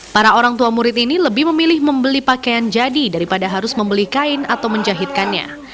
para orang tua murid ini lebih memilih membeli pakaian jadi daripada harus membeli kain atau menjahitkannya